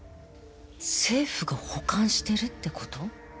政府が保管してるって事？